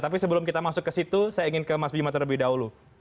tapi sebelum kita masuk ke situ saya ingin ke mas bima terlebih dahulu